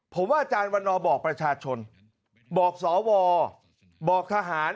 ผมว่าอาจารย์วันนอบอกประชาชนบอกสวบอกทหาร